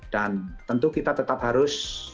dan tentu kita tetap harus